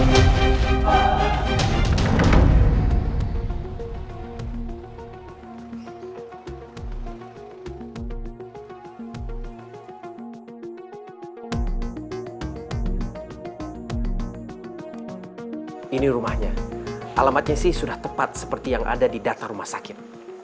hai ini rumahnya alamatnya sih sudah tepat seperti yang ada di data rumah sakit